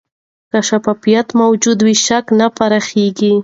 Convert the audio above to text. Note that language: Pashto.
که شفافیت موجود وي، شک نه پراخېږي.